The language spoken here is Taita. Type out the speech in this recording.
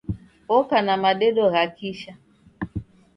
Oka na madedo gha kisha.